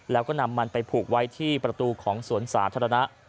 แล้วก็นำมันไปผูกไว้ที่ประตูของสวนสาธารณะ